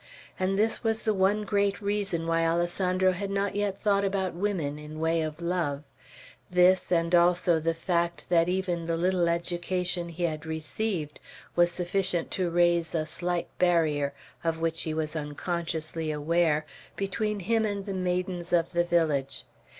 And this was the one great reason why Alessandro had not yet thought about women, in way of love; this, and also the fact that even the little education he had received was sufficient to raise a slight barrier, of which he was unconsciously aware, between him and the maidens of the village.